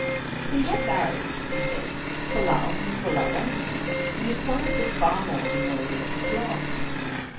" He had married," he said, "for love, and for love only; and his bride was far more than worthy of his love."